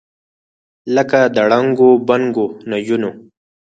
لکه د ړنګو بنګو نجونو،